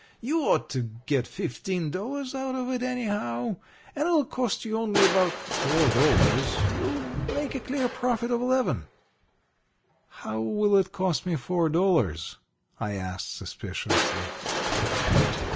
You ought to get fifteen dollars out of it, anyhow. And it'll cost you only about four dollars. You'll make a clear profit of eleven." "How will it cost me four dollars?" I asked, suspiciously.